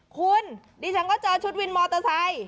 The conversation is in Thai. คุณดิฉันก็เจอชุดวินมอเตอร์ไซค์